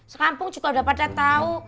sekampung juga udah pada tahu